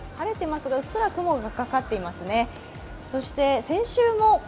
空を見てみますと晴れていますがうっすら雲がかかっていますね。